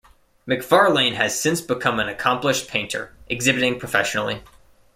McFarlane has since become an accomplished painter, exhibiting professionally.